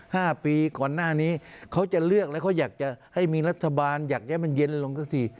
ห้าปีก่อนหน้านี้เขาจะเลือกแล้วให้มีรัฐบาลอยากจะให้มันเย็นได้ลงนักสริ